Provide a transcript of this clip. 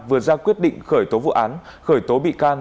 vừa ra quyết định khởi tố vụ án khởi tố bị can